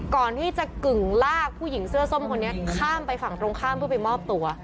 ก่อนที่จะกึ่งลากผู้หญิงเสื้อส้มคนนี้ข้ามไปฝั่งตรงข้ามเพื่อไปมอบตัว